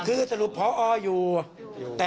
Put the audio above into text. คือสรุปพอร์ออยู่แต่พอดีเรากำลังประสานเจ้าพนักให้